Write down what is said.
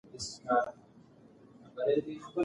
یو ستر دولت د پراخي جغرافیې پر اساس رامنځ ته کیږي.